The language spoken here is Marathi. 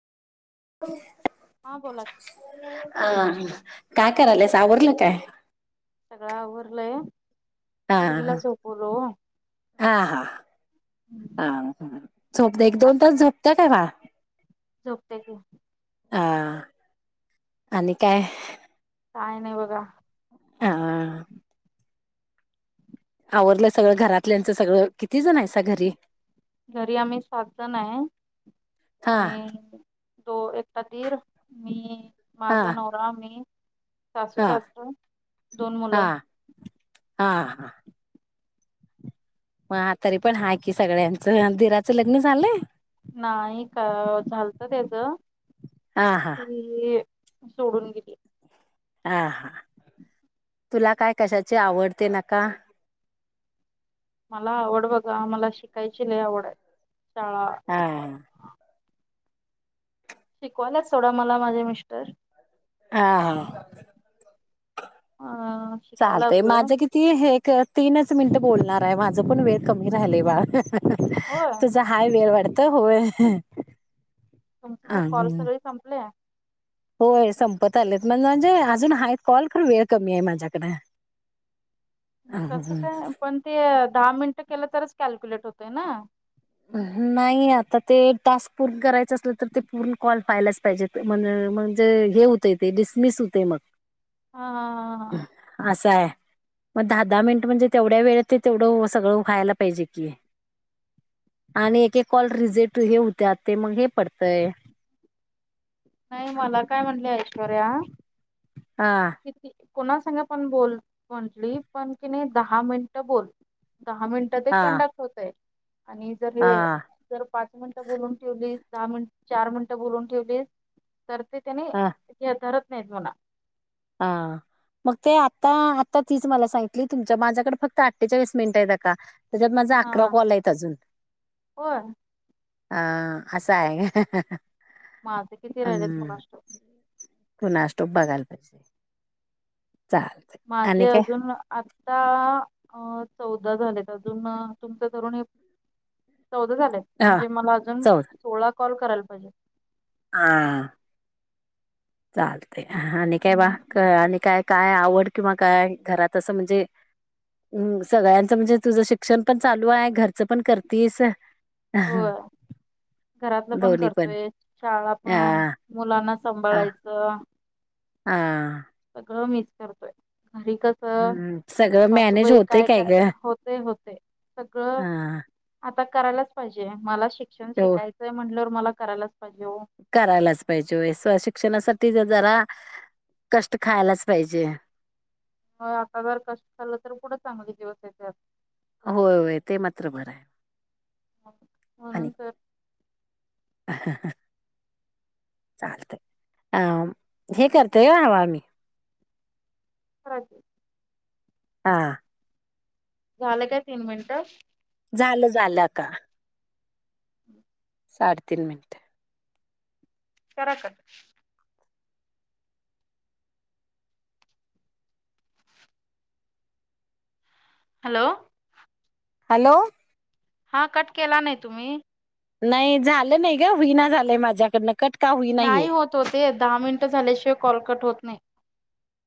हां बोला की. ह काय करायल्यास, आवरले काय. सगळं आवरलंय. हा पोरगीला ह झोपवलो ओ. हा हा हा ह झोप एक आता दोन तास झप त्या काय मा झोपते की ह आणि काय काय नाही बघा आ आवरलं सगळं घरातल्यांचं सगळं किती जण आहेसा घरी घरी आम्ही सात जण आहे हा आणि तो एकटा दीर, मी हा माझा नवरा, मी सासू, हा सासर, दोन मुलं ह म तरी पण हा कि सगळ्यांचं, दीरचं लग्न झालंय? नाही, का झालत त्याच हा हा ती सोडून गेली हा ह तुला काय कशाचे आवडते नका मला आवड बघा आ म्हाला शिकायची लय आवड आहे शाळा हा शिकवायला सोडा, मला माझे मिस्टर हह हा अ शिकायला चालतय, लागलोय माझं किती हे तीनच मिनट बोलणार आहे माझ पण वेळ कमी राहिलय बाळा होय तुझा हाय वेळ वाढत तर होय तुमचे ज कॉल अं, सगळे संपले आहे होय संपत आलेत मण म्हणजे अजून हाय कॉल करू वेळ कमी आहे माझ्याकडे कसं अं, काय पण ते दहा मिनिट केलं तरच कॅल्क्युलेट होतय ना. नाही आता ते टास्क पूर्ण करायचं असलं तर ते पूर्ण कॉल पायलाच पाहिजेत. म्हणून म्हणजे हे होतंय ते डिसमिस होतंय मग. हा हा हा हा. असं आहे मग दहा दहा मिनिट म्हणजे तेवढ्या वेळेत ते तेवढं सगळं व्हायला पाहिजे कि. आणि एक एक कॉल रिजेक्ट हे होत्यात, ते मग हे पडतंय. नाही मला काय म्हणली ऐश्वर्या हा. किती कोणा संग पण बोल म्हटली, पण किणी दहा मिनिटं बोल. दहा मिनिटं ते हा कंडक्ट होतंय. आणि जर हा हे जर पाच मिनिटं बोलून ठेवलीस दहा मिनिट चार मिनिटं बोलून ठेवलीस तर ते त्याने हा हे धरत नाहीत येत म्हणा. हा. मग ते आता आता तीच मला सांगितली तुमच्या माझ्याकडे फक्त अठ्ठेचाळीस मिनिट आहेत अक्का. त्याच्यात माझं हा अकरा हा कॉल हायत अजून होय हा असं आहे का माझे किती राहिलेत हम्म कुणास ठाऊक कुणास ठाऊक बघायला अस हाय माझे अजून आता अ चौदा झालेत अजून तुमच धरून हे चौदा झाले. हा म्हणजे मला अजून चौदा सोळा कॉल करायला पाहिजेत. हा चाल तय आणि काय बा हम्म. काय आणि काय? काय आवड किंवा काय घरात असं म्हणजे उम्म सगळ्यांच म्हणजे, तुझं शिक्षण पण चालू आहे घरचं पण करतीस. होय. घरातलं पण करतोय शाळा पण ह मुलांना सांभाळायचं. [inaudible] हा सगळं मीच करतोय. घरी कसं सगळं मॅनेज सासूबाई होतय काय करा ग होतंय होतंय सगळं आता करायलाच पाहिजे मला शीक क्षण ह शिकायचंय म्हणल्यावर मला करायलाच पाहिजे हो. करायलाच पाहिजे व्हयं स शिक्षणासाठी जर जरा कष्ट खायलाच पाहिजे. मग आता जर कष्ट झालं तर पुढं चांगले दिवस येत्यात. होय होय ते मात्र बरं आहे. आणि म्हणून तर चालतय. अं हे करतय हावं आम्ही [unintelligible] हा झालं काय तीन मिनटं? झालं झालं आता साडे तीन मिनट करा कट. हॅलो हॅलो हा कट केला नाही तुम्ही. नाही झालं नाही ग हूईना झालंय माझ्याकडनं कट का होईना हे. नाही होत ओ ते दहा मिनिटं झाल्याशिवाय कॉल कट होत नाही.